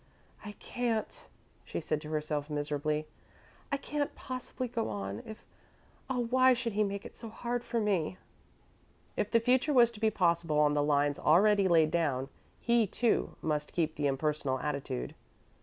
"I can't," she said to herself, miserably; "I can't possibly go on, if Oh, why should he make it so hard for me!" If the future was to be possible on the lines already laid down, he, too, must keep the impersonal attitude.